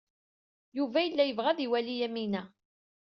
Yuba yella yebɣa ad iwali Yamina.